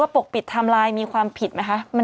ปกปิดทำลายเป็นความผิดครับ